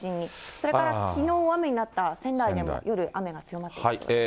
それからきのう雨になった仙台でも、夜、雨が強まってきます。